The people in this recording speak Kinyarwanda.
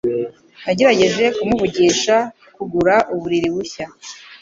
Nagerageje kumuvugisha kugura uburiri bushya.